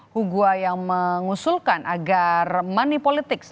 hugua yang mengusulkan agar money politics